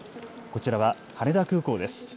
こちらは羽田空港です。